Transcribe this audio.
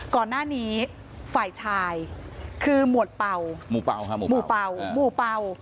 ก่อนหน้านี้ฝ่ายชายคือหมู่เป้า